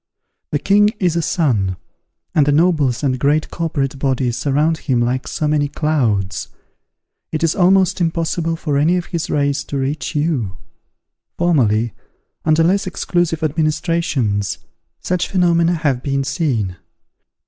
The king is a sun, and the nobles and great corporate bodies surround him like so many clouds; it is almost impossible for any of his rays to reach you. Formerly, under less exclusive administrations, such phenomena have been seen.